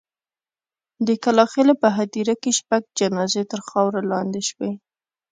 د کلا خېلو په هدیره کې شپږ جنازې تر خاورو لاندې شوې.